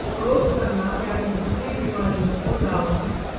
क्रोध करना, यानी दूसरी बीमारियों को दावत...